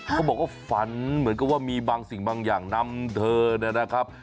เขาบอกว่าฝันเหมือนกับว่ามีบางสิ่งบางอย่างนำเธอนะครับ